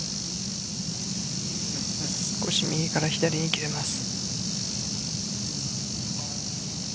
少し右から左に切れます。